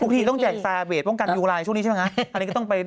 เพราะเขาเข้าขึ้นที่ที่